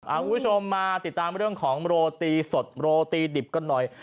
คุณผู้ชมมาติดตามเรื่องของโรตีสดโรตีดิบกันหน่อย